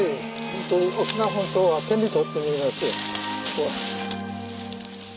ホントに沖縄本島が手にとって見えますよ。